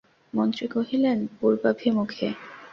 মন্ত্রী কহিলেন, পূর্বাভিমুখে।